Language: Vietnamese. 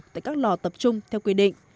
tại các lò tập trung theo quy định